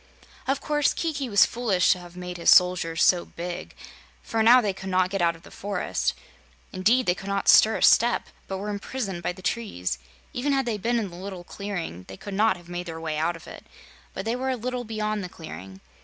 Of course, Kiki was foolish to have made his soldiers so big, for now they could not get out of the forest. Indeed, they could not stir a step, but were imprisoned by the trees. Even had they been in the little clearing they could not have made their way out of it, but they were a little beyond the clearing.